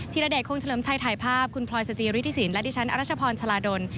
ระเดชคงเลิมชัยถ่ายภาพคุณพลอยสจิริธิสินและดิฉันอรัชพรชลาดล